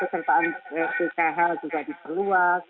pesertaan bkh juga diperluas